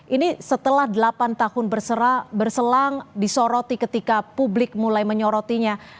ini setelah delapan tahun berselang disoroti ketika publik mulai menyorotinya